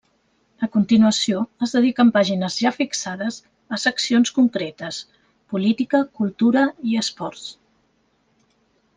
A continuació, es dediquen pàgines ja fixades a seccions concretes: política, cultura i esports.